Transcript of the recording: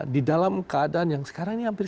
di dalam keadaan yang sekarang ini hampir